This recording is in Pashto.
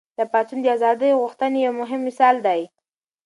دا پاڅون د ازادۍ غوښتنې یو مهم مثال دی.